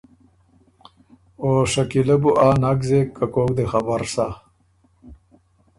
او شکیلۀ بو آ نک زېک که کوک دې خبر سۀ